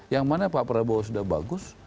yang mana pak prabowo sudah bagus